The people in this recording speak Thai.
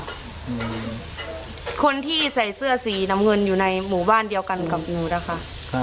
อืมคนที่ใส่เสื้อสีน้ำเงินอยู่ในหมู่บ้านเดียวกันกับหนูนะคะ